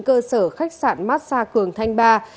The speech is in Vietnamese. cơ sở khách sạn massa cường thanh ba